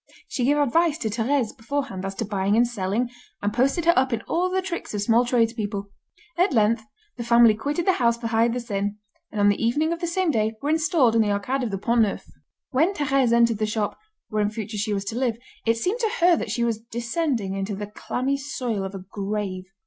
She gave advice to Thérèse, beforehand, as to buying and selling, and posted her up in all the tricks of small tradespeople. At length, the family quitted the house beside the Seine, and on the evening of the same day, were installed in the Arcade of the Pont Neuf. When Thérèse entered the shop, where in future she was to live, it seemed to her that she was descending into the clammy soil of a grave.